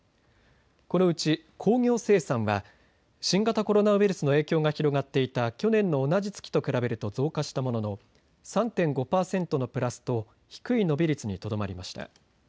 このうち工業生産は新型コロナウイルスの影響が広がっていた去年の同じ月と比べると増加したものの３．５％のプラスと低い伸び率にとどまりました。